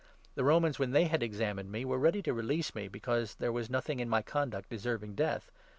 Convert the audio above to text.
The Romans, when they had examined me, were ready'to release me, because there was nothing in my conduct deserv ing death.